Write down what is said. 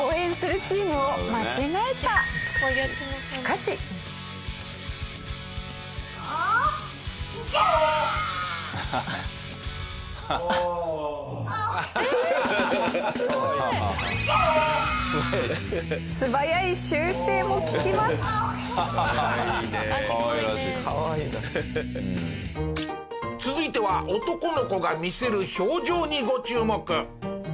続いては男の子が見せる表情にご注目。